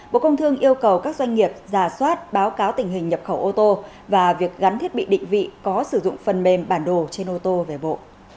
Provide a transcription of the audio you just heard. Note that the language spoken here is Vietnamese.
bộ công thương yêu cầu các doanh nghiệp giả soát báo cáo tình hình nhập khẩu ô tô và việc gắn thiết bị định vị có sử dụng phần mềm bản đồ trên ô tô về bộ